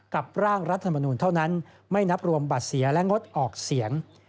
ร่างรัฐมนูลเท่านั้นไม่นับรวมบัตรเสียและงดออกเสียง